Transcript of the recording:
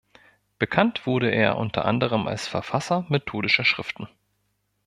Bekannt wurde er unter anderem als Verfasser methodischer Schriften.